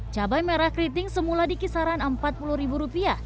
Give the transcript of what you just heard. cabai merah keriting semula di kisaran rp empat puluh